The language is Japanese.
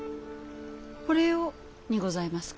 これをにございますか？